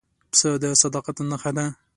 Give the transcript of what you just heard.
پسه د صداقت نښه ده.